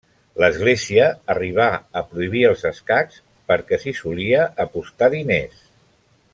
L'Església arribà a prohibir els escacs, perquè s'hi solia apostar diners.